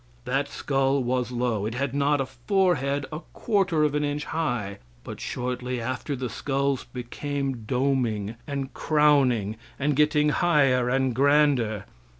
That skull was low. It had not a forehead a quarter of an inch high. But shortly after, the skulls became doming and crowning, and getting higher and grander.